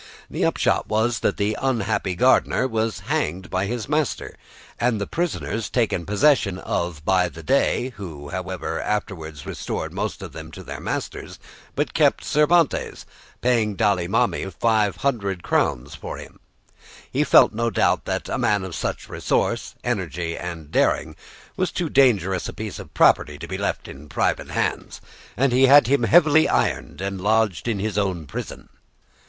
The upshot was that the unhappy gardener was hanged by his master, and the prisoners taken possession of by the Dey, who, however, afterwards restored most of them to their masters, but kept Cervantes, paying Dali Mami 500 crowns for him. He felt, no doubt, that a man of such resource, energy, and daring, was too dangerous a piece of property to be left in private hands; and he had him heavily ironed and lodged in his own prison.